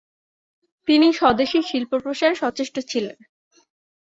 তিনি স্বদেশী শিল্পপ্রসারে সচেষ্ট ছিলেন।